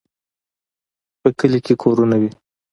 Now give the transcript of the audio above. هاهاها په کلي کې کورونه وي.